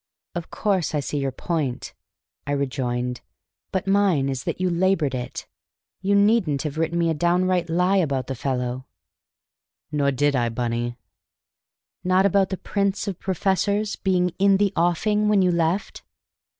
"Of course I see your point," I rejoined; "but mine is that you labored it. You needn't have written me a downright lie about the fellow." "Nor did I, Bunny." "Not about the 'prince of professors' being 'in the offing' when you left?"